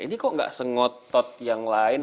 ini kok nggak sengotot yang lain